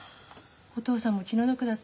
お父さんも気の毒だった。